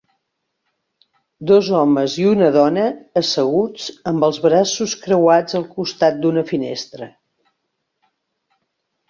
Dos homes i una dona asseguts amb els braços creuats al costat d'una finestra